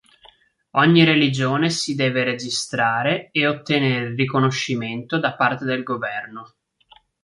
Ogni religione si deve registrare e ottenere il riconoscimento da parte del governo.